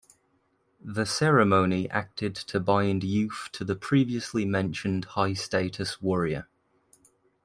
The ceremony acted to bind youth to the previously mentioned high status warrior.